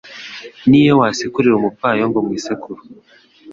N’iyo wasekurira umupfayongo mu isekuru